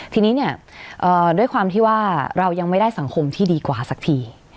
ทีนี้เนี่ยด้วยความที่ว่าเรายังไม่ได้สังคมที่ดีกว่าสักที